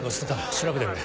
調べてくれ。